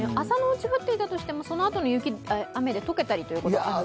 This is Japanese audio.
朝のうち降っていたとしても、そのあとの雨で解けたりということは？